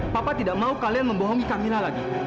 papa tidak mau kalian membohongi kamilah lagi